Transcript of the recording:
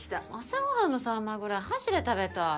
朝ごはんの秋刀魚ぐらい箸で食べたい。